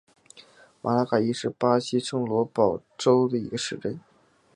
马拉卡伊是巴西圣保罗州的一个市镇。